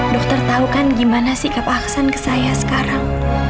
dokter tahu kan gimana sikap aksan ke saya sekarang